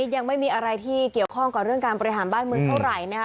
ยังไม่มีอะไรที่เกี่ยวข้องกับเรื่องการบริหารบ้านเมืองเท่าไหร่นะคะ